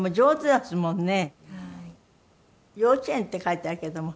幼稚園って書いてあるけれども。